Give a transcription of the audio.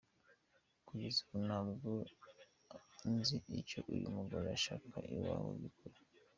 Kugeza ubu ntabwo nzi icyo uyu mugore ashaka iwanjye mu by’ukuri.